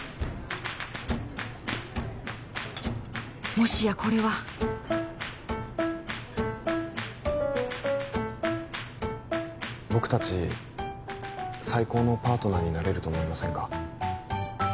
もしやこれは僕達最高のパートナーになれると思いませんか？